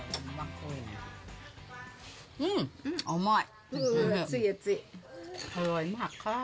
うん、甘い。